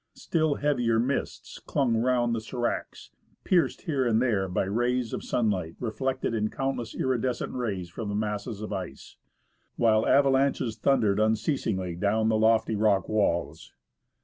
Still heavier mists clung round the s^racs, pierced here and there by rays of sunlight reflected in countless iridescent rays from the masses of ice ; while avalanches thundered unceasingly down the lofty rock walls.